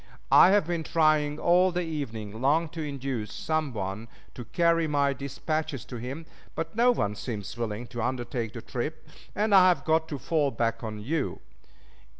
I have been trying all the evening long to induce some one to carry my dispatches to him, but no one seems willing to undertake the trip, and I have got to fall back on you.